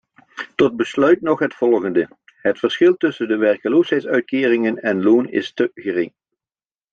Tot besluit nog het volgende: het verschil tussen werkloosheidsuitkeringen en loon is te gering.